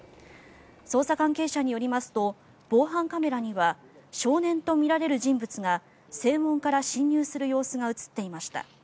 捜査関係者によりますと防犯カメラには少年とみられる人物が正門から侵入する様子が映っていました。